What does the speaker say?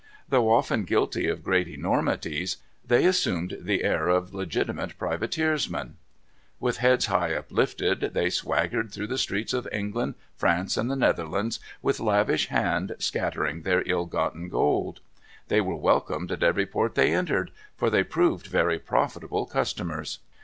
Though often guilty of great enormities, they assumed the air of legitimate privateersmen. With heads high uplifted they swaggered through the streets of England, France, and the Netherlands, with lavish hand scattering their ill gotten gold. They were welcomed at every port they entered, for they proved very profitable customers.